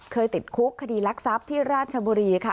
เคยติดคุกคดีลักษัพที่ราชบุรีค่ะ